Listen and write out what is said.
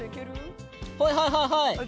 はいはいはいはい！